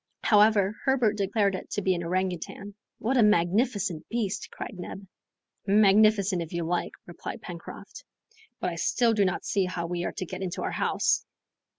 However, Herbert declared it to be an orangoutang. "What a magnificent beast!" cried Neb. "Magnificent, if you like," replied Pencroft; "but still I do not see how we are to get into our house."